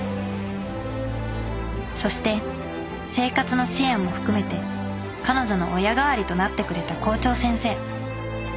そして生活の支援も含めて彼女の親代わりとなってくれた校長先生。